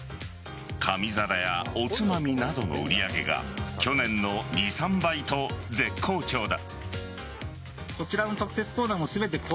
紙皿やおつまみなどの売り上げが去年の２３倍と絶好調だ。